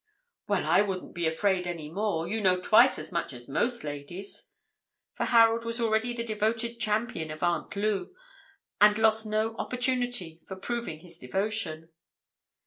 "Well, I wouldn't be afraid any more; you know twice as much as most ladies;" for Harold was already the devoted champion of Aunt Lou, and lost no opportunity for proving his devotion.